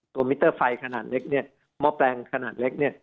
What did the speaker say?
ตัวมิเตอร์ไฟขนาดเล็กมอบแปลงขนาดเล็ก